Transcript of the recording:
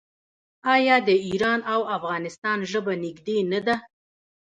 آیا د ایران او افغانستان ژبه نږدې نه ده؟